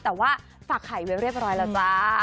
แต่ว่าฝากไข่ไว้เรียบร้อยแล้วจ้า